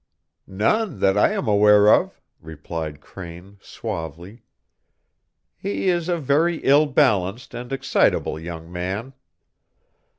"None that I am aware of," replied Crane, suavely. "He is a very ill balanced and excitable young man."